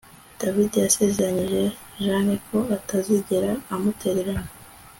David yasezeranyije Jane ko atazigera amutererana